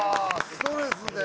ストレスで。